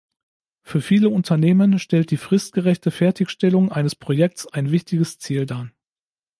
Für viele Unternehmen stellt die fristgerechte Fertigstellung eines Projekts ein wichtiges Ziel dar.